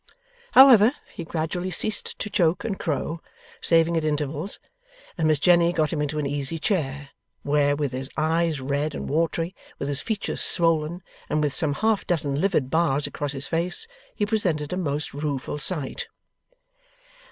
However, he gradually ceased to choke and crow, saving at intervals, and Miss Jenny got him into an easy chair: where, with his eyes red and watery, with his features swollen, and with some half dozen livid bars across his face, he presented a most rueful sight.